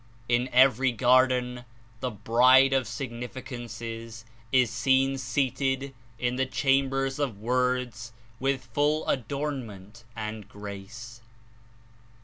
In every garden the bride of significances is seen seated in the chambers of words with full adornment and grace."